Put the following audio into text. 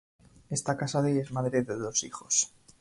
Está casada y es madre de dos hijos.